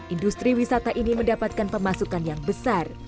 industri wisata ini mendapatkan pemasukan yang besar